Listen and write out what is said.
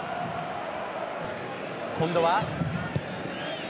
今度は。